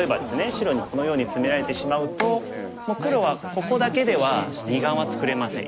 白にこのようにツメられてしまうともう黒はここだけでは２眼は作れません。